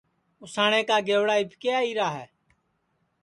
اُساٹؔے کا گئوڑا اِٻکے آئیرا ہے